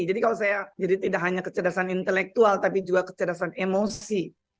jadi kalau saya jadi tidak hanya kecerdasan intelektual tapi juga kecerdasan emosi